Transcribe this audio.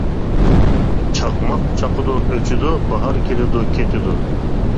چاقماق چاقىدۇ ئۆچىدۇ، باھار كېلىدۇ كېتىدۇ.